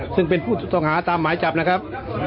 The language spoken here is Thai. ซึ่งเป็นผู้ต้องหาตามหมายจับนะครับ